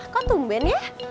kok tumben ya